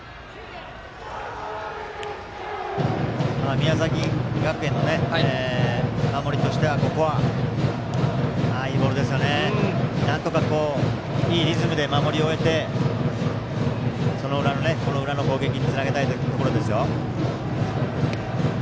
宮崎学園の守りとしてはここはなんとかいいリズムで守りを終えて、その裏の攻撃につなげたいところですよ。